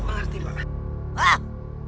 aku mengerti pak